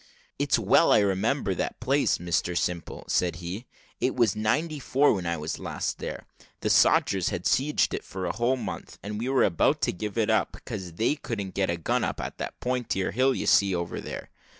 "It's well I remember that place, Mr Simple," said he. "It was in '94 when I was last here. The sodgers had 'sieged it for a whole month, and were about to give it up, 'cause they couldn't get a gun up on that 'ere hill you sees there.